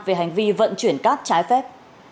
về hành vi vận chuyển cát trái phép